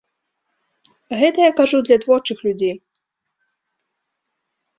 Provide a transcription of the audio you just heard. Гэта я кажу для творчых людзей.